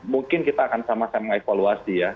mungkin kita akan sama sama mengevaluasi ya